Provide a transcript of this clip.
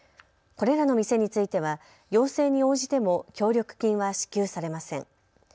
これらの店については要請に応じても協力金は支給されません。